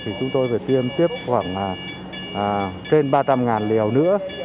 thì chúng tôi phải tiêm tiếp khoảng trên ba trăm linh liều nữa